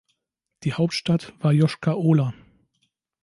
Die Hauptstadt war Joschkar-Ola.